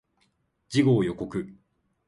次号予告